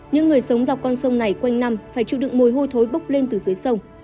những người sống dọc con sông này quanh năm phải chịu đựng mùi hôi thối bốc lên từ dưới sông